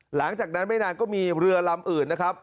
หลังจากนั้นไม่นานก็มีเรือลำอื่นนะครับ